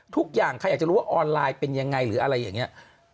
ทุกอย่างใครอยากจะรู้ว่าออนไลน์เป็นยังไงหรืออะไรอย่างนี้